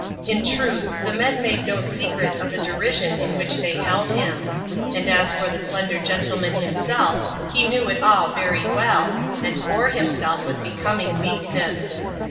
In truths the men made no secret of the derision in which they held him ; and as for the slender gentleman himself, he knew it all very well, and bore himself with becoming meek ness.